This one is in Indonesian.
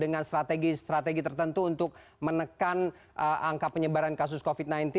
dengan strategi strategi tertentu untuk menekan angka penyebaran kasus covid sembilan belas